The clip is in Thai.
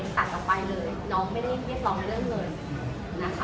จะมีเงินใช่เราเรียกรองเงินขอโทษนะคะ